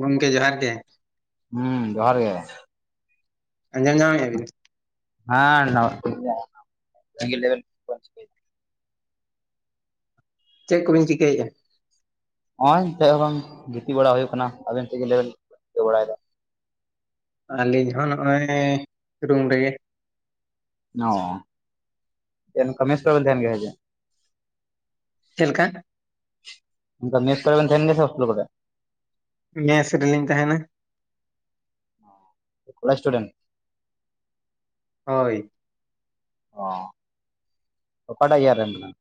ᱜᱚᱝᱠᱮ ᱡᱚᱦᱟᱨ ᱜᱮ ᱦᱩᱸ ᱡᱚᱦᱟᱨ ᱜᱮ, ᱟᱸᱡᱚᱢ ᱧᱟᱢᱮᱜᱼᱟᱵᱤᱱ? [unintelligible] ᱪᱮᱜ ᱠᱚᱵᱤᱱ ᱪᱤᱠᱟ? ᱵᱟᱝ ᱪᱮᱫ ᱦᱚᱸ ᱵᱟᱝ ᱜᱤᱛᱤᱡ ᱵᱟᱲᱟ ᱦᱩᱭᱩᱜ ᱠᱟᱱᱟ ᱟᱵᱤᱱ ᱛᱮᱜᱮ ᱞᱟᱹᱭ ᱵᱤᱱ ᱪᱤᱠᱟᱹ ᱵᱟᱲᱟᱭᱮ ᱫᱟ? ᱟᱹᱞᱤᱧ ᱦᱚᱸ ᱱᱚᱜᱼᱚᱭ ᱨᱩᱢ ᱨᱮᱜᱮ ᱼᱼ ᱱᱚᱻ ᱪᱮᱫ ᱞᱮᱠᱟ ᱢᱮᱥ ᱨᱮᱵᱤᱱ ᱛᱟᱦᱮᱱ ᱠᱟᱱᱟ ᱦᱮᱪᱮ ᱪᱮᱫ ᱞᱮᱠᱟ? ᱠᱟ ᱢᱮᱥ ᱠᱚᱨᱮ ᱵᱮᱱ ᱛᱟᱦᱮᱱ ᱜᱮᱭᱟ ᱥᱮ ᱦᱚᱥᱴᱮᱞ ᱠᱚᱨᱮ ᱢᱮᱥ ᱨᱤᱞᱤᱧ ᱛᱟᱦᱮᱱᱟᱻᱻ ᱠᱚᱞᱡᱽ ᱥᱴᱩᱰᱮᱱᱴᱼᱼ ᱦᱳᱭ᱾ ᱚ ᱚᱠᱟᱴᱟᱜ ᱤᱭᱟᱨ ᱨᱮ ᱠᱟᱱᱟᱢ?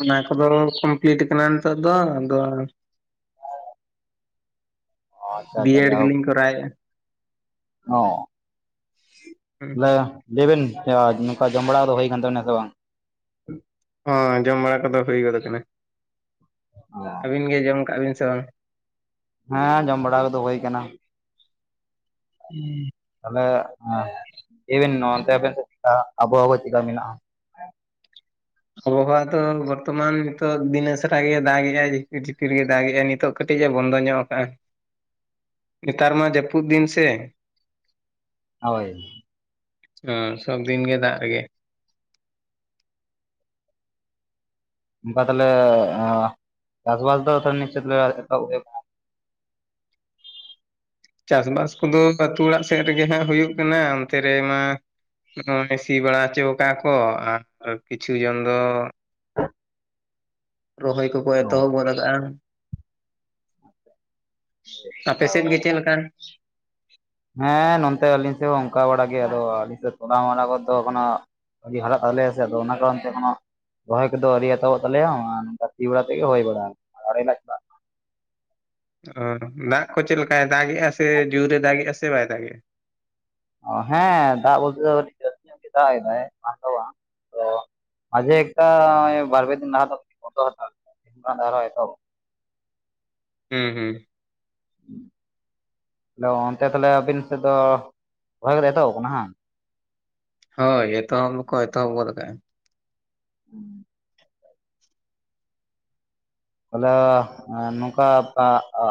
ᱚᱱᱟ ᱠᱚᱫᱚ ᱠᱚᱢᱯᱞᱤᱴ ᱠᱟᱱᱟ ᱱᱮᱛᱟᱨ ᱫᱚ ᱟᱫᱚᱼᱼ ᱚ ᱟᱪᱪᱷᱟ ᱵᱤ ᱟᱪᱪᱷᱟ ᱮᱰ ᱡᱟᱭᱦᱳᱠ ᱜᱤᱞᱤᱧ ᱠᱚᱨᱟᱣᱮᱼᱟ ᱚ ᱛᱟᱞᱮᱼᱼ ᱞᱟᱹᱭᱵᱮᱱ ᱱᱚᱠᱟ ᱡᱚᱢ ᱵᱟᱲᱟ ᱫᱚ ᱦᱩᱭ ᱠᱟᱱ ᱛᱟᱵᱮᱱᱟ ᱥᱮ ᱵᱟᱝ? ᱦᱚ ᱡᱚᱢ ᱵᱟᱲᱟ ᱠᱚᱫᱚ ᱦᱩᱭ ᱜᱚᱫ ᱠᱟᱱᱟ᱾ ᱚ ᱟᱹᱵᱤᱱ ᱜᱮ ᱡᱚᱢ ᱠᱟᱜ ᱵᱤᱱ ᱥᱮ ᱵᱟᱝ? ᱦᱮᱸ ᱡᱚᱢ ᱵᱟᱲᱟ ᱠᱚᱫᱚ ᱦᱳᱭ ᱠᱟᱱᱟ᱾ ᱩᱸ ᱛᱟᱞᱦᱮ ᱞᱟᱹᱭᱵᱮᱱ ᱱᱚᱱᱛᱮ ᱟᱵᱮᱱ ᱫᱚ ᱪᱤᱠᱟ ᱟᱵᱚ ᱦᱟᱣᱟ ᱪᱤᱠᱟ ᱢᱮᱱᱟᱜ-ᱟ? ᱟᱵᱚᱦᱟᱣᱟ ᱫᱚ ᱵᱚᱨᱛᱚ ᱢᱟᱱ ᱱᱤᱛᱚᱜ ᱫᱤᱱ ᱮᱥᱮᱲᱟ ᱜᱮᱭ ᱫᱟᱜᱮ ᱟᱭ ᱡᱷᱤᱯᱤᱨ ᱡᱷᱤᱯᱤᱨ ᱜᱮ ᱫᱟᱜᱮ ᱟᱭ ᱱᱤᱛᱚᱜᱼᱼ ᱠᱟᱹᱴᱤᱡ ᱮ ᱵᱚᱱᱫᱚ ᱧᱚᱜ ᱟᱠᱟᱼᱟ [inaudible] ᱱᱮᱛᱟᱨ ᱢᱟ ᱡᱟᱹᱯᱩᱫ ᱫᱤᱱ ᱥᱮᱼᱼ ᱦᱳᱭ᱾ ᱚ ᱥᱚᱵᱫᱤᱱ ᱜᱮ ᱫᱟᱜ ᱨᱮᱜᱮ, ᱵᱚᱰᱞᱮ ᱪᱟᱥ ᱵᱟᱥ ᱫᱚ ᱱᱛ ᱪᱮᱫ [unintelligible] ᱪᱟᱥ ᱵᱟᱥ ᱠᱚᱫᱚ ᱟᱛᱩ ᱚᱲᱟᱜ ᱥᱮᱫ ᱨᱮᱜᱮ ᱦᱟᱸᱜ ᱦᱩᱭᱩᱜ ᱠᱟᱱᱟ ᱚᱱᱛᱮ ᱨᱮᱢᱟᱼᱼ ᱱᱚᱜ-ᱚᱭ ᱥᱤ ᱵᱟᱲᱟ ᱦᱚᱪᱚ ᱠᱟᱜ-ᱟ ᱠᱚ ᱟᱨ ᱠᱤᱪᱷᱩ ᱡᱚᱱ ᱫᱚᱼᱼ ᱨᱚᱦᱚᱭ ᱠᱚᱠᱚ ᱟᱠᱟᱱᱟ ᱚ ᱮᱛᱚᱦᱚᱵ ᱜᱫ ᱟᱠᱟᱼᱟ ᱟᱯᱮ ᱥᱮᱫ ᱜᱮ ᱪᱮᱫ ᱞᱮᱠᱟ? ᱦᱮᱸ ᱱᱚᱱᱛᱮ ᱟᱞᱤᱧ ᱥᱮᱫ ᱦᱚᱸ ᱚᱝᱠᱟ ᱵᱟᱲᱟ ᱜᱮ ᱟᱫᱚ ᱟᱹᱞᱤᱧ ᱥᱮᱫ ᱛᱚᱞᱟ ᱢᱟᱞᱟ ᱠᱚ ᱫᱚ ᱮᱦᱚᱱᱚᱼᱼ ᱟᱹᱣᱨᱤ ᱦᱟᱨᱟᱜ ᱛᱟᱞᱮᱭᱟ ᱥᱮ ᱟᱫᱚ ᱚᱱᱟ ᱠᱟᱨᱚᱱ ᱛᱮ ᱛᱤᱝᱜᱩ ᱮᱠᱷᱚᱱᱚ ᱨᱚᱦᱚᱭ ᱠᱚᱫᱚ ᱟᱣᱨᱤ ᱮᱛᱚᱵᱚ ᱛᱟᱞᱮᱭᱟ ᱟᱨ ᱱᱚᱝᱠᱟ ᱥᱤ ᱵᱟᱲᱟ ᱛᱮᱜᱮ ᱦᱚᱭ ᱵᱟᱜ ᱟ ᱼᱼ ᱚ ᱫᱟᱜ ᱠᱚ ᱪᱮᱫ ᱞᱮᱠᱟᱭ ᱫᱟᱜᱮᱼᱟ ᱥᱮ ᱡᱳᱨᱮ ᱫᱟᱜᱮ-ᱟ ᱥᱮ ᱵᱟᱭ ᱫᱟᱜᱮᱼᱟ ᱚ ᱦᱮᱸ ᱫᱟᱜ ᱵᱚᱞᱛᱮ ᱫᱚ ᱡᱟᱹᱴᱤᱡ ᱡᱳᱨ ᱧᱚᱜ ᱜᱤ ᱫᱟᱜ ᱮᱫᱟᱭ ᱵᱟᱝ ᱫᱚ ᱵᱟᱝ, ᱛᱚ ᱢᱟᱡᱮ ᱮᱠᱴᱟ ᱵᱟᱨ ᱯᱮ ᱫᱤᱱ ᱞᱟᱦᱟ ᱫᱚ [unintelligible] ᱦᱩᱸ ᱦᱩᱸ ᱫᱚ ᱚᱱᱛᱮ ᱛᱟᱞᱦᱮ ᱟᱵᱤᱱ ᱥᱮᱫ ᱫᱚ ᱨᱚᱦᱚᱭ ᱠᱚᱫᱚ ᱮᱛᱚᱦᱚᱵ ᱟᱠᱟᱱᱟ ᱦᱟᱝ ᱾ ᱦᱳᱭ ᱮᱛᱚᱦᱚᱵ ᱫᱚ ᱠᱚ ᱮᱛᱚᱦᱚᱵ ᱜᱚᱫ ᱟᱠᱟ-ᱟ ᱾ ᱦᱩᱸ ᱛᱟᱞᱮ ᱱᱚᱝᱠᱟ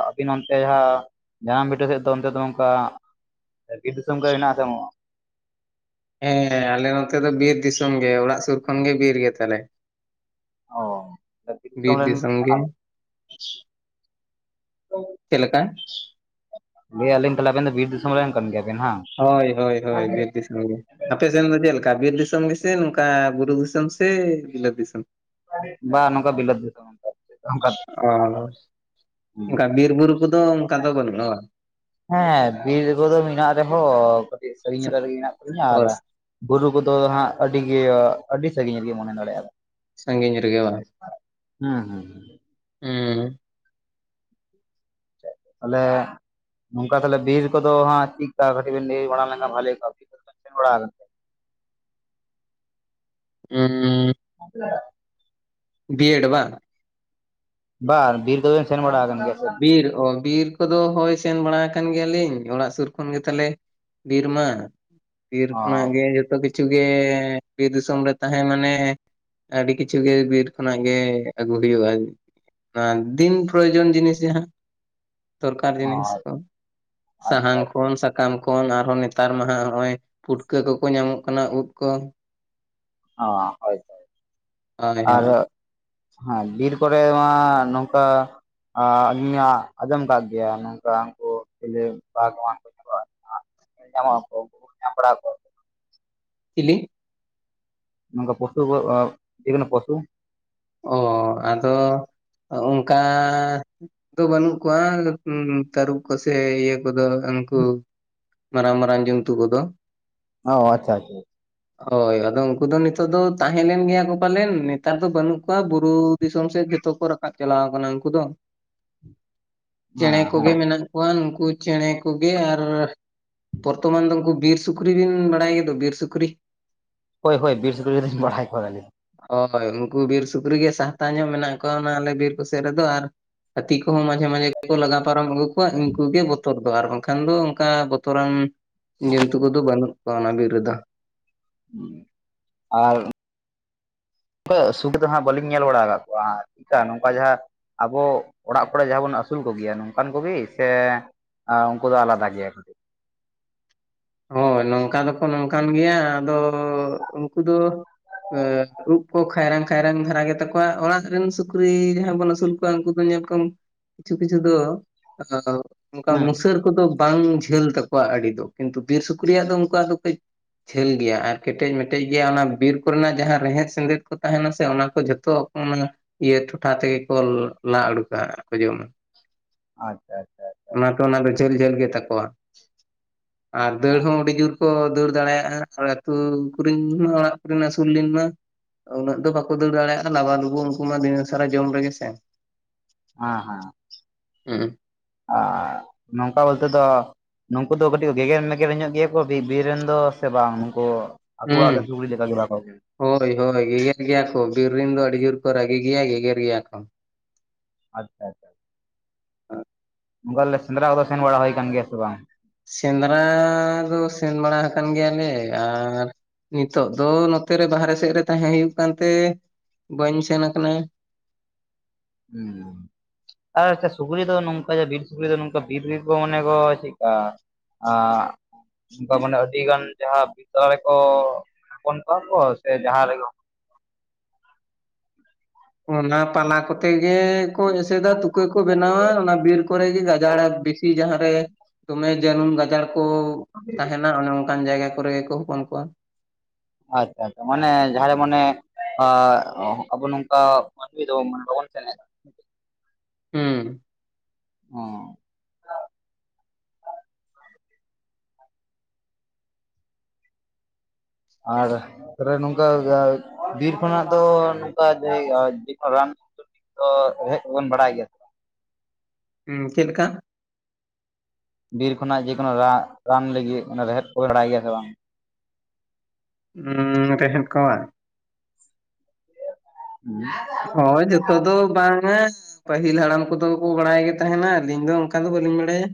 ᱟᱹᱵᱤᱱ ᱚᱱᱛᱮ ᱦᱟᱸ [unintelligible] ᱡᱟᱱᱟᱢ ᱵᱷᱤᱴᱟᱹ ᱥᱮᱫ ᱫᱚ ᱚᱱᱛᱮ ᱫᱚ ᱱᱚᱝᱠᱟ ᱵᱤᱨ ᱫᱤᱥᱚᱢ ᱠᱚ ᱦᱮᱱᱟᱜ ᱟᱥᱮ ᱵᱟᱱᱩᱜ-ᱟ? ᱦᱮᱸᱦᱮᱸ ᱟᱞᱮ ᱱᱚᱛᱮ ᱫᱚ ᱵᱤᱨ ᱫᱤᱥᱚᱢ ᱜᱮ ᱚᱲᱟᱜ ᱥᱩᱨ ᱠᱷᱚᱱ ᱜᱮ ᱵᱤᱨ ᱜᱮ ᱛᱟᱞᱮ ᱾ ᱚ ᱵᱤᱨ ᱫᱤᱥᱚᱢ ᱜᱮ ᱚ [unintelligible] ᱪᱮᱫ ᱞᱮᱠᱟ ᱞᱟᱹᱭᱮ ᱟᱞᱤᱧ ᱛᱟᱦᱞᱮ ᱟᱵᱮᱱ ᱫᱚ ᱵᱤᱨ ᱫᱤᱥ ᱾ ᱥᱚᱢ ᱨᱮᱱ ᱠᱟᱱ ᱜᱮᱭᱟ ᱵᱤᱱ ᱦᱟᱸᱜ ᱦᱚᱭ ᱦᱚᱭ ᱦᱚᱭ ᱵᱤᱨ ᱫᱤᱥ ᱾ ᱟᱯᱮ ᱥᱮᱱ ᱫᱚ ᱪᱮᱫ ᱞᱮᱠᱟ ᱵᱤᱨ ᱫᱤᱥᱚᱢ ᱜᱮᱥᱮ ᱱᱚᱝᱠᱟ ᱵᱩᱨᱩ ᱫᱤᱥᱚᱢ ᱥᱮ ᱵᱤᱞᱟᱹ ᱫᱤᱥᱚᱢ ᱾ ᱵᱟ ᱱᱚᱝᱠᱟ ᱵᱤᱞᱟᱹᱛ ᱫᱤᱥᱚᱢ ᱾ ᱚᱻ ᱚᱝᱠᱟ ᱵᱤᱨ ᱵᱩᱨᱩ ᱠᱚᱫᱚ ᱚᱝᱠᱟ ᱫᱚ ᱵᱟᱹᱱᱩᱜ-ᱟ ᱵᱟ ᱾ ᱦᱮᱸ, ᱵᱤᱨ ᱠᱚᱫᱚ ᱢᱮᱱᱟᱜ ᱨᱮᱦᱚᱸ ᱠᱟᱹᱴᱤᱡ ᱥᱟᱹᱨᱤᱧ ᱧᱚᱜ ᱨᱮᱜᱤ ᱢᱮᱱᱟᱜ ᱟᱠᱟᱫ ᱞᱤᱧᱟ ᱚ ᱟᱨᱼᱼ ᱵᱩᱨᱩ ᱠᱚᱫᱚ ᱦᱟᱸᱜ ᱟᱹᱰᱤᱜᱮ ᱟᱹᱰᱤ ᱥᱟᱺᱜᱤᱧ ᱨᱮᱜᱮ ᱢᱚᱱᱮ ᱫᱟᱲᱮᱼᱟ ᱾ ᱥᱟᱺᱜᱤᱧ ᱨᱮᱜᱮ ᱵᱟᱝ, ᱦᱩᱸ ᱦᱩᱸ ᱦᱩᱸ ᱛᱟᱞᱦᱮᱼᱼ ᱱᱚᱝᱠᱟ ᱛᱟᱦᱚᱞᱮ ᱵᱤᱨ ᱠᱚᱫᱚ ᱦᱟᱸᱜ ᱪᱤᱜᱠᱟ ᱠᱟᱹᱴᱤᱡ ᱵᱤᱱ ᱞᱟ, ᱭ ᱵᱟᱲᱟ ᱞᱮᱱᱠᱷᱟᱱ ᱵᱷᱟᱞᱮ ᱠᱚᱜᱼᱟ, ᱵᱤᱨ [inaudible] ᱠᱚ ᱵᱮᱱ ᱥᱮᱱ ᱵᱟᱲᱟ ᱠᱟᱱᱟ ᱾ ᱦᱮᱸ [inaudible] ᱟ [inaudible] ᱵᱤ ᱮᱰ ᱵᱟᱝ ᱵᱟᱝ ᱵᱤᱨ ᱠᱚᱫᱚ ᱵᱤᱱ ᱥᱮᱱ ᱵᱟᱲᱟ ᱠᱟᱱ ᱜᱮᱭᱟ ᱥᱮ? ᱵᱤᱨ ᱳ ᱵᱤᱨ ᱠᱚᱫᱚ ᱦᱳᱭ ᱥᱮᱱ ᱵᱟᱲᱟ ᱟᱠᱟᱱ ᱜᱮᱭᱟᱞᱤᱧ, ᱚᱲᱟᱜ ᱥᱩᱨ ᱠᱷᱚᱱ ᱜᱮ ᱛᱟᱞᱮᱼᱼ ᱵᱤᱨ ᱢᱟ, ᱵᱤᱨ ᱚ ᱠᱷᱚᱱᱟᱜ ᱜᱮ ᱡᱷᱚᱛᱚ ᱠᱤ ᱠᱤᱪᱷᱩ ᱜᱮ ᱵᱤᱨ ᱫᱤᱥᱚᱢ ᱨᱮ ᱛᱟᱦᱮᱸ ᱢᱟᱱᱮᱼᱼ ᱟᱹᱰᱤ ᱠᱤᱪᱷᱩ ᱜᱮ ᱵᱤᱨ ᱠᱷᱚᱱᱟᱜ ᱜᱮ ᱟᱹᱜᱩ ᱦᱩᱭᱩᱜᱼᱟ ᱾ ᱚᱱᱟ ᱫᱤᱱ ᱯᱨᱚᱭᱳᱡᱚᱱ ᱡᱤᱱᱤᱥᱼᱼ ᱡᱟᱸᱦᱟ ᱫᱚᱨᱠᱟᱨ ᱚ ᱡᱤᱱᱤᱥ ᱠᱚ ᱟᱪᱪᱷᱟ ᱥᱟᱦᱟᱱ ᱠᱷᱚᱱ, ᱥᱟᱠᱟᱢ ᱠᱼᱼ ᱚᱛ ᱠᱷᱚᱱ ᱟᱨᱦᱚᱸ ᱱᱮᱛᱟᱨ ᱢᱟ ᱦᱟᱜ ᱦᱚᱸᱜᱼᱚᱭ ᱯᱩᱴᱠᱟᱹ ᱠᱚᱠᱚ ᱧᱟᱢᱚᱜ ᱠᱟᱱᱟ ᱳᱫ ᱠᱚ ᱾ ᱚᱸ ᱦᱚᱭ ᱛᱚ ᱦᱚᱭ ᱛᱚ ᱦᱳᱭ ᱦᱳᱭ ᱟᱫᱚᱠᱼᱼ ᱦᱮᱸ ᱵᱤᱨ ᱠᱚᱨᱮ ᱢᱟ ᱱᱚᱝᱠᱟ ᱟᱸ ᱟᱹᱞᱤᱧ ᱞᱤᱧ ᱟᱡᱚᱢ ᱠᱟᱜ ᱜᱮᱭᱟ ᱱᱚᱝᱠᱟ ᱩᱱᱠᱩ ᱪᱮᱞᱮ ᱵᱟᱜᱽ ᱮᱢᱟᱱᱠᱚ [inaudible] ᱩᱱᱠᱩ ᱦᱟᱸᱜ [inaudible] ᱧᱮᱞ ᱧᱟᱢᱚᱜ ᱟᱠᱚ ᱩᱱᱠᱩ ᱵᱤᱱ ᱧᱟᱢ ᱵᱟᱲᱟ ᱟᱠᱟᱫ ᱠᱚᱣᱟ [inaudible] ᱪᱤᱞᱤ? ᱱᱚᱝᱠᱟ ᱯᱚᱥᱩ ᱠᱚ [unintelligible] ᱡᱮᱠᱳᱱᱳ ᱯᱚᱥᱩ ᱚ ᱟᱫᱚ ᱚᱝᱠᱟᱼᱼ ᱫᱚ ᱵᱟᱹᱱᱩᱜ ᱠᱚᱣᱟ ᱛᱟᱹᱨᱩᱵ ᱠᱚᱥᱮ ᱤᱭᱟᱹᱼᱼ ᱠᱚᱫᱚ ᱟᱹᱱᱠᱩ ᱢᱟᱨᱟᱝ ᱢᱟᱨᱟᱝ ᱡᱚᱱᱛᱩ ᱠᱚᱫᱚ ᱾ ᱚ ᱟᱪᱪᱷᱟ ᱟᱪᱪᱷᱟ ᱦᱚᱭ ᱟᱫᱚ ᱩᱱᱠᱩ ᱫᱚ ᱱᱤᱛᱚᱜ ᱫᱚ ᱛᱟᱦᱮᱸ ᱞᱮᱱ ᱜᱮᱭᱟ ᱠᱚ ᱯᱟᱞᱮᱱ ᱱᱮᱛᱟᱨ ᱫᱚ ᱵᱟᱹᱱᱩᱜᱼᱼ ᱚᱝᱠᱟ ᱵᱩᱨᱩ ᱫᱤᱥᱚᱢ ᱥᱮᱫ ᱡᱚᱛᱚ ᱠᱚ ᱨᱟᱠᱟᱵ ᱪᱟᱞᱟᱣ ᱟᱠᱟᱱᱟ ᱩᱱᱠᱩ ᱫᱚ ᱾ ᱦᱮᱸ ᱪᱮᱬᱮ ᱦᱮᱸ ᱠᱚᱜᱮ ᱢᱮᱱᱟᱜ ᱠᱚᱣᱟ ᱱᱩᱠᱩ ᱪᱮᱬᱮ ᱠᱚᱜᱮ ᱟᱨᱼᱼ ᱯᱚᱨᱛᱚᱢᱟᱱ ᱫᱚ ᱩᱝᱠᱩ ᱵᱤᱨ ᱥᱩᱠᱨᱤ ᱵᱤᱱ ᱵᱟᱲᱟᱭ ᱜᱮᱭᱟᱫᱚ ᱵᱤᱨ ᱥᱩᱠᱨᱤ ᱦᱳᱭ ᱦᱳᱭ ᱵᱤᱨ ᱥᱩᱠᱨᱤ ᱫᱩᱧ ᱵᱟᱲᱟᱭ ᱠᱚᱣᱟ ᱞᱤᱧ ᱾ ᱦᱚᱭ ᱩᱝᱠᱩ ᱵᱤᱨ ᱥᱩᱠᱨᱤ ᱜᱮ ᱥᱟᱦᱛᱟ ᱧᱚᱜ ᱢᱮᱱᱟᱜ ᱠᱚᱣᱟ ᱚᱱᱟ ᱟᱞᱮ ᱵᱤᱨ ᱠᱚ ᱥᱮᱫ ᱨᱮᱫᱚ, ᱟᱨᱼᱼ ᱦᱟᱹᱛᱤ ᱠᱚᱦᱚᱸ ᱢᱟᱡᱷᱮ ᱢᱟᱡᱷᱮ ᱜᱮᱠᱚ ᱞᱟᱜᱟ ᱯᱟᱨᱚᱢ ᱟᱹᱜᱩ ᱠᱚᱣᱟ ᱩᱱᱠᱩ ᱜᱮ ᱵᱚᱛ ᱵᱚᱛᱚᱨ ᱫᱚ ᱟᱨ ᱵᱟᱝᱠᱷᱟᱱ ᱫᱚ ᱚᱝᱠᱟ ᱵᱚᱛᱚᱨᱟᱱ ᱡᱚᱱᱛᱩ ᱠᱚᱫᱚ ᱵᱟᱹᱱᱩᱜ ᱠᱚᱣᱟ ᱚᱱᱟ ᱵᱤᱨ ᱨᱮᱫᱚ ᱾ ᱟᱨ ᱠᱚ ᱥᱩᱴ ᱫᱚ ᱦᱟᱸᱜ ᱵᱟᱹᱞᱤᱧ ᱧᱮᱞ ᱵᱟᱲᱟ ᱟᱠᱟᱫ ᱠᱚᱣᱟ ᱪᱮᱫᱠᱟ ᱱᱚᱝᱠᱟ ᱡᱟᱦᱟᱸ ᱟᱵᱚ ᱚᱲᱟᱜ ᱠᱚᱨᱮ ᱡᱟᱦᱟᱸ ᱵᱚᱱ ᱟᱹᱥᱩᱞ ᱠᱚᱜᱮᱭᱟ ᱱᱚᱝᱠᱟᱱ ᱠᱚᱜᱤ ᱥᱮ ᱟ ᱩᱱᱠᱩ ᱫᱚ ᱟᱞᱟᱫᱟ ᱜᱮᱭᱟ ᱠᱟᱹᱴᱤᱜ ᱦᱳᱭ ᱱᱚᱝᱠᱟ ᱫᱚᱠᱚ ᱱᱚᱝᱠᱟᱱ ᱜᱮᱭᱟ ᱟᱫᱚ ᱩᱱᱠᱩ ᱫᱚ ᱩᱵ ᱠᱚ ᱠᱷᱟᱭᱨᱟᱝ ᱠᱷᱟᱭᱨᱟᱝ ᱫᱷᱟᱨᱟ ᱜᱮᱛᱟ ᱠᱚᱣᱟ ᱚᱲᱟᱜ ᱨᱮᱱ ᱥᱩᱠ ᱠᱨᱤ ᱡᱟᱦᱟᱸ ᱵᱚᱱ ᱟᱹᱥᱩᱞ ᱠᱚᱣᱟ ᱩᱱᱠᱩ ᱫᱚ ᱧᱮᱞᱠᱚᱢ ᱠᱤᱪᱷᱩ ᱠᱤᱪᱷᱩ ᱫᱚ ᱟᱫᱚ [inaudible] ᱚᱝᱠᱟ ᱦᱮᱸ ᱢᱩᱥᱟᱹᱨ ᱠᱚᱫᱚ ᱵᱟᱝ ᱡᱷᱟᱹᱞ ᱛᱟᱠᱚᱣᱟ ᱟᱹᱰᱤ ᱫᱚ ᱠᱤᱱᱛᱩ ᱵᱤᱨ ᱥᱩᱠᱨᱤᱭᱟᱜ ᱫᱚ ᱩᱱᱠᱩᱣᱟᱜ ᱫᱚ ᱠᱟᱹᱡ ᱡᱷᱟᱹᱞ ᱜᱮᱭᱟ ᱟᱨ ᱠᱮᱴᱮᱡ ᱢᱮᱴᱮᱡ ᱜᱮᱭᱟ ᱚᱱᱟ ᱵᱤᱨ ᱠᱚᱨᱮᱱᱟᱜ ᱡᱟᱦᱟᱸ ᱨᱮᱦᱮᱫ ᱥᱮᱸᱫᱮᱫ ᱠᱚ ᱛᱟᱦᱮᱱᱟ ᱥᱮ ᱚᱱᱟ ᱠᱚ ᱡᱷᱚᱛᱚ ᱚᱱᱟ ᱤᱭᱟᱹ ᱴᱚᱴᱷᱟ ᱛᱮᱜᱮ ᱠᱚ ᱞᱟ ᱩᱰᱩᱠᱟ ᱟᱨ ᱠᱚ ᱡᱚᱢᱟ ᱟᱪᱪᱷᱟ ᱟᱪᱪᱷᱟ ᱚᱱᱟ ᱠᱟᱨᱮᱱᱟᱵ ᱫᱚ ᱡᱷᱟᱹᱞ ᱡᱷᱟᱹᱞ ᱜᱮ ᱛᱟᱠᱚᱣᱟ ᱟᱨ ᱫᱟᱹᱲ ᱦᱚᱸ ᱟᱹᱰᱤ ᱡᱩᱨ ᱠᱚ ᱫᱟᱹᱲ ᱫᱟᱲᱮᱭᱟᱜᱼᱟ ᱟᱨ ᱟᱹᱛᱩ ᱠᱩᱨᱤᱱ ᱢᱟ ᱚᱲᱟᱜ ᱠᱩᱨᱤᱱ ᱟᱹᱥᱩᱞ ᱞᱤᱱ ᱢᱟ ᱩᱱᱟᱹᱜ ᱫᱚ ᱵᱟᱠᱚ ᱫᱟᱹᱲ ᱫᱟᱲᱮᱭᱟᱜᱼᱟ ᱞᱟᱵᱟ ᱞᱩᱵᱩ ᱩᱱᱠᱩ ᱢᱟ ᱫᱤᱱᱟᱹ ᱥᱟᱨᱮ ᱡᱚᱢ ᱨᱮᱜᱮ ᱥᱮ ᱦᱮᱸ ᱦᱮᱸ ᱦᱩᱜᱟ ᱩᱸ ᱟᱜ ᱱᱚᱝᱠᱟ ᱵᱳᱞᱛᱮ ᱫᱚ ᱱᱩᱠᱩ ᱫᱚ ᱠᱟᱹᱴᱤᱡ ᱜᱮᱜᱮᱨ ᱢᱮᱜᱮᱨ ᱧᱚᱜ ᱜᱮᱭᱟ ᱠᱚ ᱵᱤ ᱵᱤᱨ ᱨᱮᱱ ᱫᱚ ᱥᱮ ᱵᱟᱝ ᱱᱩᱠᱩ ᱦᱩᱸ [unintelligible] ᱦᱳᱭ ᱦᱳᱭ ᱜᱮᱜᱮᱨ ᱜᱮᱭᱟ ᱠᱚ ᱵᱤᱨ ᱨᱮᱱ ᱫᱚ ᱟᱹᱰᱤ ᱡᱳᱨ ᱠᱚ ᱨᱟᱹᱜᱤ ᱜᱮᱭᱟ ᱜᱮᱜᱮᱨ ᱜᱮᱭᱟ ᱠᱚ ᱟᱪᱪᱷᱟ ᱟᱪᱷᱟ ᱵᱚᱞᱞᱮ ᱥᱮᱸᱫᱽᱨᱟ ᱠᱚᱫᱚ ᱥᱮᱱ ᱵᱟᱲᱟ ᱦᱩᱭ ᱟᱠᱟᱱ ᱜᱮᱭᱟ ᱥᱮ ᱵᱟᱝ ᱥᱮᱸᱫᱽᱨᱟ ᱫᱚ ᱥᱮᱱ ᱵᱟᱲᱟ ᱦᱟᱠᱟᱱ ᱜᱮᱭᱟᱞᱮ ᱟᱨ ᱱᱤᱛᱚᱜ ᱫᱚ ᱱᱚᱛᱮ ᱨᱮ ᱵᱟᱦᱨᱮ ᱥᱮᱫ ᱨᱮ ᱛᱟᱦᱮᱸ ᱦᱩᱭᱩᱜ ᱠᱟᱱᱛᱮ ᱵᱟᱹᱧ ᱥᱮᱱ ᱟᱠᱟᱱᱟ ᱩᱸᱻᱻ ᱟᱨ ᱟᱪᱪᱷᱟ ᱥᱩᱠᱨᱤ ᱫᱚ ᱱᱚᱝᱠᱟ ᱵᱤᱨ ᱥᱩᱠᱨᱤ ᱫᱚ ᱱᱚᱝᱠᱟ ᱵᱤᱨ ᱵᱤᱨ ᱠᱚ ᱢᱚᱱᱮ ᱠᱚ ᱪᱮᱫᱠᱟ ᱟᱜ ᱚᱱᱠᱟ ᱢᱟᱱᱮ ᱟᱹᱰᱤ ᱜᱟᱱ ᱡᱟᱦᱟᱸ ᱢᱤᱜᱫᱦᱟᱣ ᱨᱮᱠᱚ ᱦᱚᱯᱚᱱ ᱠᱚᱜᱣᱟ ᱠᱚ ᱥᱮ ᱡᱟᱦᱟᱸ ᱨᱮᱜᱮ ᱚᱱᱟ ᱯᱟᱞᱟ ᱠᱚᱛᱮ ᱜᱮᱠᱚ ᱮᱥᱮᱫᱟ ᱛᱩᱠᱟᱹ ᱠᱚ ᱵᱮᱱᱟᱣᱟ ᱚᱱᱟ ᱵᱤᱨ ᱠᱚᱨᱮ ᱜᱮ ᱜᱟᱡᱟᱲ ᱵᱤᱥ ᱫᱤ ᱡᱟᱦᱟᱸ ᱨᱮ ᱫᱚᱢᱮ ᱡᱟᱹᱱᱩᱢ ᱜᱟᱡᱟᱲ ᱠᱚ ᱛᱟᱦᱮᱱᱟ ᱚᱱᱮ ᱚᱱᱠᱟᱱ ᱡᱟᱭᱜᱟ ᱠᱚᱨᱮ ᱜᱮᱠᱚ ᱦᱚᱯᱚᱱ ᱠᱚᱣᱟ ᱟᱪᱪᱷᱟ ᱪᱷᱟ ᱢᱟᱱᱮ ᱡᱟᱦᱟᱸ ᱨᱮ ᱢᱟᱱᱮ ᱟᱵᱚ ᱱᱚᱝᱠᱟ ᱢᱟᱹᱱᱢᱤ ᱫᱚ ᱵᱟᱵᱚᱱ ᱥᱮᱱᱮᱜᱼᱟ ᱩᱸ ᱚᱸ ᱟᱨ ᱛᱟᱦᱚᱞᱮ ᱱᱚᱝᱠᱟ ᱡᱟᱣᱟᱡ ᱵᱤᱨᱠᱷᱚᱱᱟᱜ ᱫᱚ ᱱᱚᱝᱠᱟ ᱡᱮ [unintelligible] ᱛᱚ ᱦᱮᱡᱵᱚᱱ ᱵᱟᱲᱟᱭ ᱜᱮᱭᱟ ᱦᱸ ᱪᱮᱫ ᱞᱮᱠᱟ ᱵᱤᱨ ᱠᱷᱚᱱᱟᱜ ᱡᱮᱠᱳᱱᱳ ᱨᱟ ᱨᱟᱱ ᱞᱟᱹᱜᱤᱫ ᱨᱮᱦᱮᱫ ᱠᱚ ᱵᱟᱲᱟᱭ ᱜᱮᱭᱟ ᱥᱮ ᱵᱟᱝ ᱩᱸᱻᱻ ᱨᱮᱦᱮᱫᱽ ᱠᱚ ᱵᱟ ᱦᱩ ᱦᱳᱸᱭ ᱡᱚᱛ ᱡᱚᱛᱚ ᱫᱚ ᱵᱟᱝᱟ ᱯᱟᱹᱦᱤᱞ ᱦᱟᱲᱟᱢ ᱠᱚᱫᱚ ᱠᱚ ᱵᱟᱲᱟᱭ ᱜᱮ ᱛᱟᱦᱮᱱᱟ ᱟᱹᱞᱤᱧ ᱫᱚ ᱚᱱᱠᱟ ᱫᱚ ᱵᱟᱹᱞᱤᱧ ᱵᱟᱲᱟᱭᱟ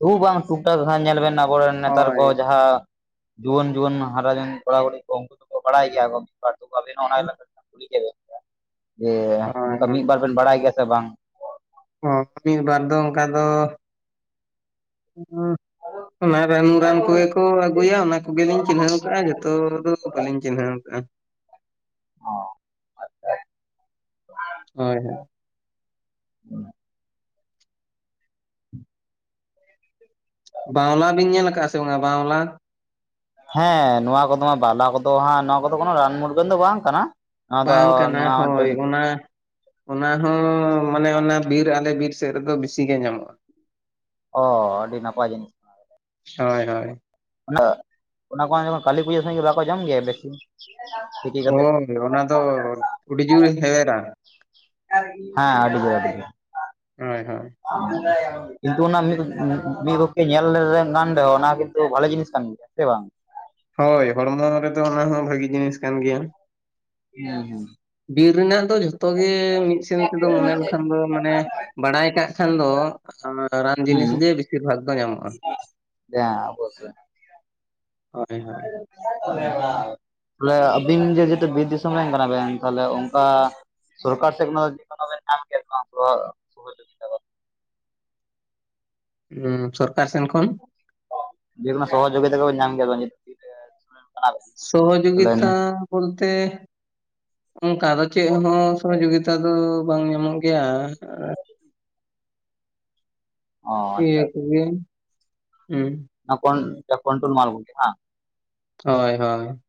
ᱫᱩ ᱵᱟᱝ ᱴᱩᱠᱴᱟ ᱫᱦᱟᱣ ᱧᱮᱞ ᱵᱤᱱ ᱟᱵᱚᱨᱮᱱ ᱱᱮᱛᱟᱨ ᱦᱳᱭ ᱠᱚ ᱡᱟᱦᱟᱸ ᱡᱩᱣᱟᱹᱱ ᱡᱩᱣᱟᱹᱱ ᱦᱟᱨᱟ ᱭᱮᱱ ᱠᱚᱲᱟ ᱠᱩᱲᱤ ᱠᱚ ᱩᱱᱠᱩ ᱠᱚ ᱵᱟᱲᱟᱭ ᱜᱮᱭᱟ ᱢᱤᱫ ᱵᱟᱨ ᱛ ᱟᱵ ᱚᱱᱟ ᱠᱩᱞᱤ ᱠᱮᱫᱵᱮᱱ ᱡᱮ ᱦᱳᱭ ᱱᱚᱝᱠᱟ ᱦᱳᱭ ᱢᱤᱫᱵᱟᱨ ᱵᱮᱱ ᱵᱟᱲᱟᱭ ᱜᱮᱭᱟ ᱥᱮ ᱵᱟᱝ ᱚᱸ ᱢᱤᱫ ᱵᱟᱨ ᱫᱚ ᱚᱱᱠᱟ ᱫᱚ ᱩᱸᱜ ᱚᱱᱟ ᱨᱟᱱᱩ ᱨᱟᱱ ᱠᱚᱜᱮ ᱠᱚ ᱟᱹᱜᱩᱭᱟ ᱚᱱᱟ ᱠᱚᱜᱮᱞᱤᱧ ᱪᱤᱱᱦᱟᱹᱣ ᱠᱟᱜ-ᱟ ᱡᱷᱚᱛᱚ ᱫᱚ ᱵᱟᱹᱞᱤᱧ ᱪᱤᱱᱦᱟᱹᱣ ᱠᱟᱜ-ᱟ᱾ ᱚᱸ ᱟᱪᱪᱷᱟ [inaudible] ᱦᱳᱭ-ᱦᱳᱭ [unintelligible] ᱵᱟᱣᱞᱟ ᱵᱤᱱ ᱧᱮᱞ ᱠᱟᱜ-ᱟ ᱥᱮ ᱵᱟᱝ ᱵᱟᱸᱣᱞᱟ? ᱦᱮᱸ ᱱᱚᱣᱟ ᱠᱚᱫᱚ ᱦᱟᱸᱜ ᱵᱟᱸᱣᱞᱟ ᱠᱚᱫᱚ ᱦᱟᱸᱜ ᱱᱚᱣᱟ ᱠᱚᱫᱚ ᱠᱚᱱᱳ ᱨᱟᱱ ᱢᱩᱨᱜᱟᱹᱱ ᱫᱚ ᱵᱟᱝ ᱠᱟᱱᱟᱼᱼ ᱵᱟᱝ ᱠᱟᱱᱟ ᱦᱳᱭ ᱚᱱᱟᱼᱼ ᱚᱱᱟ ᱦᱚᱸ ᱢᱟᱱᱮ ᱚᱱᱟ ᱵᱤᱨ ᱟᱞᱮ ᱵᱤᱨ ᱥᱮᱫ ᱨᱮᱫᱚ ᱵᱤᱥᱤ ᱜᱮ ᱧᱟᱢᱚᱜ-ᱟ᱾ ᱚᱻ ᱟᱹᱰᱤ ᱱᱟᱯᱟᱭ ᱡᱤᱱᱤᱥ? ᱦᱮᱸᱼᱦᱮᱸ [inaudible] ᱚᱱᱟ ᱠᱚᱦᱚᱸ ᱠᱟᱹᱞᱤ ᱯᱩᱡᱟᱹ ᱥᱮᱱ ᱜᱮ ᱵᱟᱠᱚ ᱡᱚᱢ ᱜᱮᱭᱟ? ᱵᱮᱥᱤ, ᱛᱤᱠᱤ ᱠᱟᱛᱮ ᱦᱮᱣᱮᱨ ᱨᱮ ᱚᱱᱟ ᱫᱚ ᱩᱰᱤ ᱡᱩᱨ ᱦᱮᱣᱮᱨᱟ᱾ ᱦᱮᱸ ᱟᱹᱰᱤ ᱜᱮ ᱟᱹᱰᱤ ᱜᱮᱼᱼ ᱦᱮᱸ-ᱦᱮᱸ [unintelligible] ᱠᱤᱱᱛᱩ ᱚᱱᱟ ᱢᱤᱫ ᱯᱚᱠᱮ ᱧᱮᱞ ᱫᱚ ᱚᱱᱟ ᱠᱚᱫᱚ ᱵᱷᱟᱞᱮ ᱡᱤᱱᱤᱥ ᱠᱟᱱ ᱜᱮᱭᱟ ᱦᱮᱸᱥᱮ ᱵᱟᱝ? ᱦᱳᱭ ᱦᱚᱲᱢᱚ ᱨᱮᱫᱚ ᱚᱱᱟ ᱦᱚᱸ ᱵᱷᱟᱹᱜᱤ ᱡᱤᱱᱤᱥ ᱠᱟᱱ ᱜᱮᱭᱟ᱾ ᱦᱩᱸ ᱦᱩᱸ ᱵᱤᱨ ᱨᱮᱱᱟᱜ ᱫᱚ ᱡᱷᱚᱛᱚ ᱜᱮ, ᱢᱤᱫᱼᱼ [inaudible] ᱢᱚᱱᱮ ᱞᱮᱠᱷᱟᱱ ᱫᱚ ᱢᱟᱱᱮ ᱵᱟᱲᱟᱭ ᱠᱟᱜ ᱠᱷᱟᱱ ᱫᱚᱼᱼ ᱚᱱᱟ ᱨᱟᱱ ᱦᱩᱸ ᱡᱤᱱᱤᱥ ᱜᱮ ᱵᱤᱥᱤᱨ ᱵᱷᱟᱜᱽ ᱫᱚ ᱧᱟᱢᱚᱜ-ᱟ᱾ ᱦᱮᱸ ᱟᱵᱚᱥᱥᱳᱭ᱾ ᱦᱳᱭᱼᱦᱳᱭ ᱛᱟᱦᱞᱮ ᱟᱹᱵᱤᱱ ᱡᱮ ᱡᱩᱫᱤ ᱵᱤᱨ ᱫᱤᱥᱚᱢ ᱨᱮᱱ ᱠᱟᱱᱟ ᱵᱮᱱ ᱛᱟᱦᱞᱮ ᱚᱱᱠᱟᱼᱼ ᱥᱚᱨᱠᱟᱨ ᱥᱮᱫ ᱢᱟ ᱡᱟᱦᱟᱸ ᱵᱮᱱ ᱧᱟᱢ ᱠᱮᱜ ᱚᱱᱟ ᱠᱚᱫᱚ ᱥᱚᱦᱚ ᱡᱚᱜᱤᱛᱟ ᱵᱮᱱᱼᱼ ᱦᱩᱸ ᱥᱚᱨᱠᱟᱨ ᱥᱮᱱ ᱠᱷᱚᱱᱼᱼ ᱡᱮᱠᱳᱱᱳ ᱥᱚᱦᱚᱡᱳᱜᱤᱛᱟ ᱠᱚᱵᱮᱱ ᱧᱟᱢ ᱜᱮᱭᱟ [inaudible] ᱥᱚᱦᱳᱡᱚᱜᱤᱛᱟ ᱵᱚᱞᱛᱮ ᱚᱱᱠᱟ ᱫᱚ ᱪᱮᱫ ᱦᱚᱸ ᱥᱚᱦᱳᱡᱳᱜᱤᱛᱟ ᱫᱚ ᱵᱟᱝ ᱧᱟᱢᱚᱜ ᱜᱮᱭᱟ᱾ [unintelligible] ᱚ ᱟᱪᱪᱷᱟ ᱪᱮᱜ ᱯᱨᱳᱵᱞᱮᱢ ᱦᱩᱸ᱾ ᱛᱚᱠᱚᱱ ᱠᱳᱱᱴᱩᱞ ᱢᱟᱞ ᱠᱚᱜᱮ ᱵᱟ? ᱦᱚᱭ-ᱦᱚᱭᱼᱼ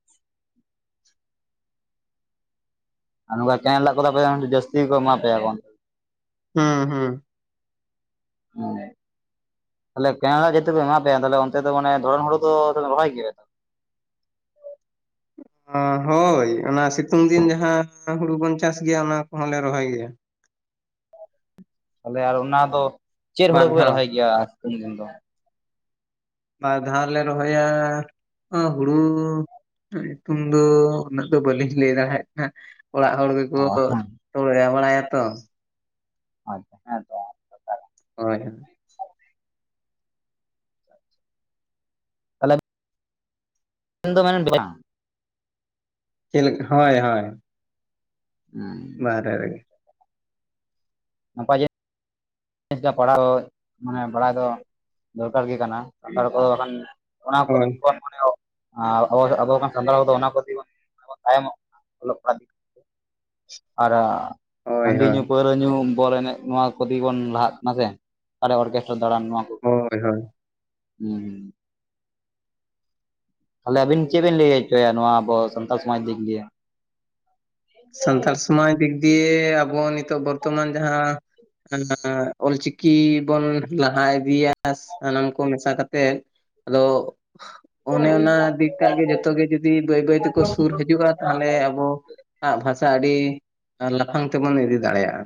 ᱟᱨ ᱱᱚᱝᱠᱟ ᱪᱟᱸᱭᱮ ᱞᱟᱜ ᱠᱚᱛᱟᱯᱮᱭᱟ ᱡᱟᱹᱥᱛᱤ ᱠᱚ ᱮᱢᱟ ᱯᱮᱭᱟ ᱠᱚ᱾ ᱦᱩᱸ-ᱦᱩᱸ ᱦᱚᱭ [inaudible] ᱡᱟᱹᱛᱤ ᱠᱚ ᱮᱢᱟ ᱯᱮᱭᱟ ᱛᱟᱦᱞᱮ ᱚᱱᱛᱮ ᱫᱚ ᱢᱟᱱᱮ ᱫᱚᱨᱚᱱ ᱦᱚᱲ ᱫᱚ ᱨᱚᱦᱚᱭ ᱜᱮᱭᱟᱼᱼ ᱦᱚᱸ ᱦᱳᱭ ᱚᱱᱟ ᱥᱤᱛᱩᱝ ᱫᱤᱱ ᱡᱟᱦᱟᱸ ᱦᱩᱲᱩ ᱵᱚᱱ ᱪᱟᱥ ᱜᱮᱭᱟ ᱚᱱᱟ ᱠᱚᱦᱚᱸᱞᱮ ᱨᱚᱦᱚᱭ ᱜᱮᱭᱟ᱾ ᱛᱟᱦᱚᱞᱮ ᱟᱨ ᱚᱱᱟ ᱫᱚ ᱪᱮᱫ ᱦᱩᱲᱩ ᱵᱟᱨ ᱠᱚᱯᱮ ᱫᱷᱟᱣ ᱨᱚᱦᱚᱭ ᱜᱮᱭᱟ? ᱟᱨ ᱥᱤᱛᱩᱝ ᱫᱤᱱ ᱫᱚ, ᱵᱟᱨᱫᱦᱟᱣ ᱞᱮ ᱨᱚᱦᱚᱭᱟᱻ ᱦᱚᱸ ᱦᱩᱲᱩ ᱧᱩᱛᱩᱢ ᱫᱚ ᱩᱱᱟᱹᱜ ᱫᱚ ᱵᱟᱹᱞᱤᱧ ᱞᱟᱹᱭ ᱫᱟᱲᱮᱭᱟᱜ ᱠᱟᱱᱟ᱾ ᱚᱲᱟᱜ ᱦᱚᱲ ᱜᱮᱠᱚ ᱚ ᱦᱮᱸ [inaudible] ᱛᱚ ᱟᱪᱷᱟ ᱦᱮᱸ ᱛᱚᱼᱼ ᱦᱚᱭ-ᱦᱳᱭ ᱛᱟᱞᱦᱮᱼᱼ ᱛᱮᱱ ᱫᱚ ᱢᱮᱱᱮ [inaudible] ᱪᱮᱫ ᱞᱮᱠᱟ ᱦᱚᱭ-ᱦᱚᱭ ᱩᱸ ᱵᱟᱦᱨᱮ ᱨᱮᱜᱮᱼᱼ ᱱᱟᱯᱟᱭ ᱜᱮᱼᱼ ᱪᱮᱫ ᱪᱚ ᱢᱟᱱᱮ ᱯᱟᱲᱦᱟᱣ ᱢᱟᱱᱮ ᱵᱟᱲᱟᱭ ᱫᱚ ᱫᱚᱨᱠᱟᱨ ᱜᱮ ᱠᱟᱱᱟ ᱥᱟᱱᱛᱟᱲ ᱠᱚᱫᱚ ᱵᱟᱠᱷᱟᱱᱼᱼ ᱚᱱᱟ ᱦᱳᱭ ᱠᱚᱛᱮᱜᱮ ᱵᱚᱱ ᱢᱚᱱᱮ ᱟ ᱟᱵᱚ ᱥᱟᱱᱛᱟᱲ ᱠᱚᱫᱚ ᱚᱱᱟ ᱠᱚᱛᱮ ᱵᱚᱱ ᱛᱟᱭᱚᱢᱚᱜ ᱠᱟᱱᱟ ᱚᱞᱚᱜ ᱯᱟᱲᱦᱟᱜ ᱫᱤᱠᱛᱮ ᱟᱨ ᱦᱳᱭ ᱦᱟᱺᱰᱤ ᱦᱳᱭ ᱧᱩ ᱯᱟᱹᱣᱨᱟᱹ ᱧᱩ ᱵᱚᱞ ᱮᱱᱮᱡ ᱱᱚᱣᱟ ᱠᱚᱛᱮ ᱵᱚᱱ ᱞᱟᱦᱟᱜ ᱠᱟᱱᱟ ᱥᱮ ᱚᱠᱟᱨᱮ ᱚᱨᱠᱮᱥᱴᱨᱟ ᱫᱟᱬᱟᱱ ᱱᱚᱣᱟ ᱠᱚ ᱦᱳᱭ ᱦᱳᱭ᱾ ᱦᱩᱸ᱾ ᱛᱟᱦᱚᱞᱮ ᱟᱵᱤᱱ ᱪᱮᱫ ᱵᱤᱱ ᱞᱟᱹᱭ ᱦᱚᱪᱚᱭᱟ ᱱᱚᱣᱟ ᱟᱵᱚ ᱥᱟᱱᱛᱟᱲ ᱥᱚᱢᱟᱡᱽ ᱫᱤᱠ ᱫᱤᱭᱮ᱾ ᱥᱟᱱᱛᱟᱲ ᱥᱚᱢᱟᱡᱽ ᱫᱤᱠ ᱫᱤᱭᱮ ᱟᱵᱚ ᱱᱤᱛᱚᱜ ᱵᱚᱨᱛᱚᱢᱟᱱ ᱡᱟᱦᱟᱸ [unintelligible] ᱚᱞ ᱪᱤᱠᱤ ᱵᱚᱱ ᱞᱟᱦᱟ ᱤᱫᱤᱭᱟ ᱥᱟᱱᱟᱢ ᱠᱚ ᱢᱮᱥᱟ ᱠᱟᱛᱮᱜ ᱟᱫᱚ ᱚᱱᱮ ᱚᱱᱟ ᱫᱤ ᱴᱟᱜ ᱜᱮ ᱡᱷᱚᱛᱚ ᱜᱮ ᱡᱩᱫᱤ ᱵᱟᱹᱭ ᱵᱟᱹᱭ ᱛᱮᱠᱚ ᱥᱩᱨ ᱦᱤᱡᱩᱜᱼᱟ ᱛᱟᱦᱚᱞᱮ ᱟᱵᱚ ᱟᱜ ᱵᱷᱟᱥᱟ ᱟᱹᱰᱤ ᱞᱟᱯᱷᱟᱝ ᱛᱮᱵᱚᱱ ᱤᱫᱤ ᱫᱟᱲᱮᱭᱟᱜᱼᱟ᱾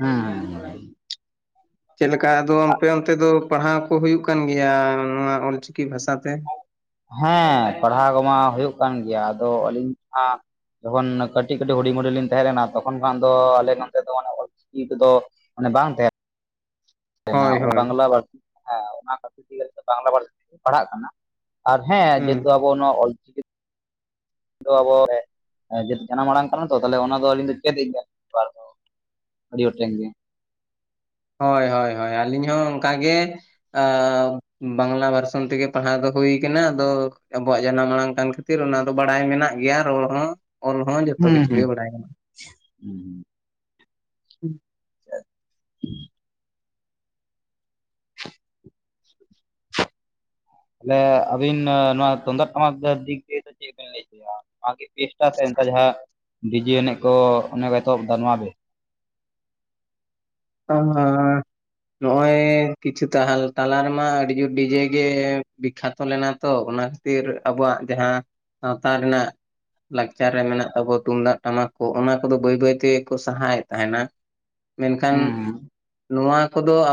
ᱦᱮᱸ ᱦᱮ᱾ ᱪᱮᱫ ᱞᱮᱠᱟ ᱟᱫᱚ ᱟᱯᱮ ᱚᱱᱛᱮ ᱫᱚ ᱯᱟᱲᱦᱟᱣ ᱠᱚ ᱦᱩᱭᱩᱜ ᱠᱟᱱ ᱜᱮᱭᱟ, ᱱᱚᱣᱟ ᱚᱞᱪᱤᱠᱤ ᱵᱷᱟᱥᱟᱛᱮ? ᱦᱮᱸ ᱯᱟᱲᱦᱟᱣ ᱠᱚᱢᱟ ᱦᱩᱭᱩᱜ ᱠᱟᱱ ᱜᱮᱭᱟ ᱟᱫᱚ ᱟᱹᱞᱤᱧ ᱡᱟ ᱡᱚᱠᱷᱚᱱ ᱠᱟᱹᱴᱤᱡ ᱠᱟᱹᱴᱤᱡ ᱦᱩᱰᱤᱧ ᱦᱩᱢᱰᱤᱧ ᱞᱤᱧ ᱛᱟᱦᱮᱸ ᱞᱮᱱᱟ ᱛᱚᱠᱷᱚᱱ ᱠᱷᱚᱱ ᱫᱚ ᱟᱞᱮ ᱱᱚᱱᱛᱮ ᱫᱚ ᱚᱞᱪᱤᱠᱤ ᱛᱮᱫᱚ ᱚᱱᱮ ᱵᱟᱝ ᱛᱟᱦᱮᱸ ᱮᱱᱟ ᱦᱳᱭ ᱚᱱᱟ ᱦᱳᱭ ᱵᱟᱝᱞᱟ ᱯᱟᱹᱨᱥᱤ ᱦᱮᱸ ᱚᱱᱟ [unintelligible] ᱛᱮᱜᱮ ᱵᱟᱝᱞᱟ ᱯᱟᱹᱨᱥᱤ ᱛᱮᱜᱮ ᱯᱟᱲᱦᱟᱜ ᱠᱟᱱᱟ, ᱟᱨ ᱦᱮᱸ ᱦᱩᱸ ᱡᱮᱦᱮᱛᱩ ᱟᱵᱚ ᱱᱚᱣᱟ ᱚᱞᱪᱤᱠᱤ ᱫᱚ ᱵᱚᱞᱮ ᱮᱸ ᱡᱟᱹᱛ ᱡᱟᱱᱟᱢ ᱟᱲᱟᱝ ᱠᱟᱱᱟ ᱛᱚ ᱛᱟᱦᱞᱮ ᱚᱱᱟ ᱫᱚ ᱟᱹᱞᱤᱧ ᱫᱚ ᱪᱮᱫ ᱮ ᱜᱮᱭᱟ [unintelligible] ᱟᱹᱰᱤ ᱦᱚᱲ ᱴᱷᱮᱱ ᱜᱮ᱾ ᱦᱳᱭ ᱦᱳᱭ ᱦᱳᱭ, ᱟᱹᱞᱤᱧ ᱦᱚᱸ ᱚᱱᱠᱟ ᱜᱮ ᱮᱸᱻ ᱵᱟᱝᱞᱟ ᱵᱷᱟᱨᱥᱚᱱ ᱛᱮᱜᱮ ᱯᱟᱲᱦᱟᱣ ᱫᱚ ᱦᱩᱭ ᱠᱟᱱᱟ, ᱟᱫᱚ ᱟᱵᱚᱣᱟᱜ ᱡᱟᱱᱟᱢ ᱟᱲᱟᱝ ᱠᱟᱱ ᱠᱷᱟᱹ ᱛᱤᱨ ᱚᱱᱟ ᱫᱚ ᱵᱟᱲᱟᱭ ᱢᱮᱱᱟᱜ ᱜᱮᱭᱟ ᱨᱚᱲ ᱦᱚᱸ ᱚᱞ ᱦᱚᱸ ᱡᱷᱚᱛᱚ ᱦᱩᱸ ᱠᱤᱪᱷᱩ ᱦᱩᱸ ᱜᱮ ᱵᱟᱲᱟᱭ ᱢᱮᱱᱟᱜ-ᱟ᱾ ᱦᱩᱸ᱾ [inaudible] ᱛᱟᱦᱞᱮ ᱟᱹᱵᱤᱱ ᱱᱚᱣᱟ ᱛᱩᱢᱫᱟᱜ ᱴᱟᱢᱟᱠ ᱫᱤᱠ ᱫᱤᱭᱮ ᱫᱚ ᱪᱮᱫ ᱵᱤᱱ ᱞᱟᱹᱭ ᱦᱚᱪᱚᱭᱟ ᱱᱚᱣᱟ ᱜᱮ ᱵᱮᱥᱴ? ᱪᱮᱫᱟᱜ ᱥᱮ ᱱᱮᱛᱟᱨ ᱡᱟᱦᱟᱸ ᱰᱤᱡᱮ ᱮᱱᱮᱡ ᱠᱚ ᱚᱱᱟ ᱠᱚ ᱚᱱᱮ ᱠᱚ ᱮᱛᱚᱦᱚᱵ ᱫᱟ ᱱᱣᱟ ᱵᱮᱥ? [inaudible] ᱱᱚᱜᱼᱚᱭ ᱠᱤᱪᱷᱩ ᱛᱟᱦᱟᱞ ᱛᱟᱞᱟ ᱨᱮᱢᱟ ᱟᱹᱰᱤ ᱡᱳᱨ ᱰᱤᱡᱮ ᱜᱮ ᱵᱤᱠᱠᱷᱟᱛᱚ ᱞᱮᱱᱟ ᱛᱚ, ᱚᱱᱟ ᱠᱷᱟ ᱛᱤᱨ ᱟᱵᱚᱣᱟᱜ ᱡᱟᱦᱟᱸ ᱥᱟᱶᱛᱟ ᱨᱮᱱᱟᱜ ᱞᱟᱠᱪᱟᱨ ᱨᱮ ᱢᱮᱱᱟᱜ ᱛᱟᱵᱚ ᱛᱩᱢᱫᱟᱜ, ᱴᱟᱢᱟᱠ ᱠᱚ ᱚᱱᱟ ᱠᱚᱫᱚ ᱵᱟᱹᱭ ᱵᱟᱹᱭ ᱛᱮᱜᱮ ᱠᱚ ᱥᱟᱦᱟᱣᱮᱫ ᱛᱟᱸᱦᱮᱱᱟ᱾ ᱦᱩᱸ ᱠᱷᱟᱱ ᱦᱩᱸ ᱱᱚᱣᱟ ᱠᱚᱫᱚ ᱟ